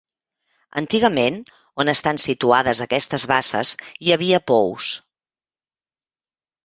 Antigament, on estan situades aquestes basses, hi havia pous.